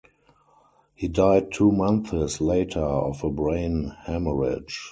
He died two months later of a brain hemorrhage.